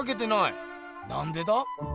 なんでだ？